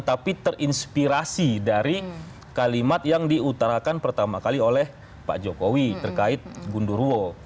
tapi terinspirasi dari kalimat yang diutarakan pertama kali oleh pak jokowi terkait gundurwo